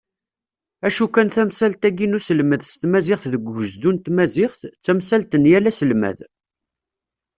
Acu kan tamsalt-agi n uselmed s tmaziɣt deg ugezdu n tmaziɣt, d tamsalt n yal aselmad.